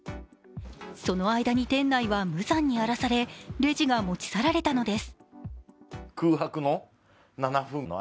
その間に、店内は無惨に荒らされレジが持ち去られたのです。